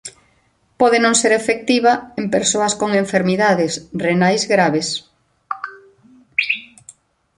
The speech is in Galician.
Pode non ser efectiva en persoas con enfermidades renais graves.